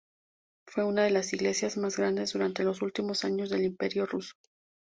Fue una de las iglesias más grandes durante los últimos años del Imperio Ruso.